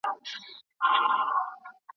خپل هدف ته د رسېدو لپاره له هیڅ ډول هڅې مه درېږه.